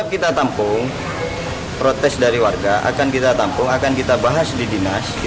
kita tampung protes dari warga akan kita tampung akan kita bahas di dinas